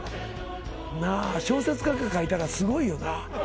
なあ小説家が書いたらすごいよな。